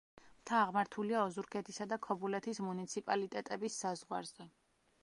მთა აღმართულია ოზურგეთისა და ქობულეთის მუნიციპალიტეტების საზღვარზე.